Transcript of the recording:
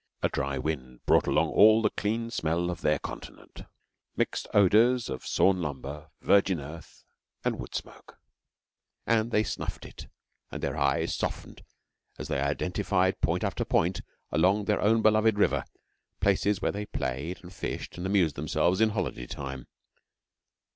A dry wind brought along all the clean smell of their Continent mixed odours of sawn lumber, virgin earth, and wood smoke; and they snuffed it, and their eyes softened as they, identified point after point along their own beloved River places where they played and fished and amused themselves in holiday time.